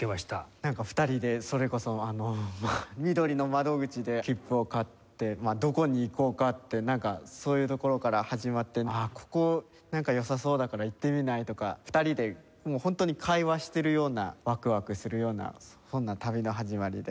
なんか２人でそれこそあのまあみどりの窓口で切符を買ってどこに行こうかってなんかそういうところから始まって「ああここなんか良さそうだから行ってみない？」とか２人でもう本当に会話してるようなワクワクするようなそんな旅の始まりで。